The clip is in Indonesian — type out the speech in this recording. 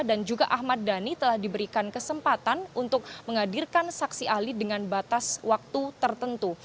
dan juga ahmad dhani telah diberikan kesempatan untuk menghadirkan saksi ahli dengan batas waktu tertentu